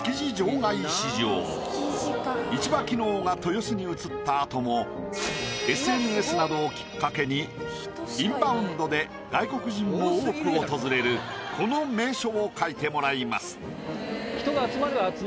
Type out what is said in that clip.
市場機能が豊洲に移った後もＳＮＳなどをきっかけにインバウンドで外国人も多く訪れるこの名所を描いてもらいます。